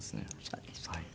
そうですか。